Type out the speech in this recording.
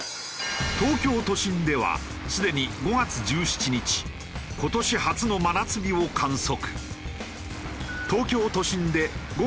東京都心ではすでに５月１７日今年初の真夏日を観測。